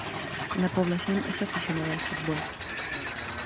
La población es aficionada al fútbol.